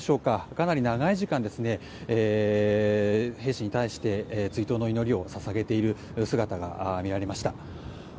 かなり長い時間兵士に対して追悼の祈りを捧げる姿が見られました。